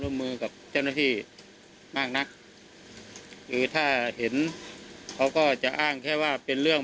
ผมจัดการเอง